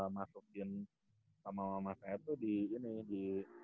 masukin sama mama saya tuh di ini di